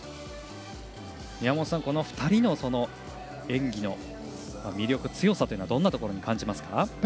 宮本さん、この２人の演技の魅力、強さはどんなところに感じますか？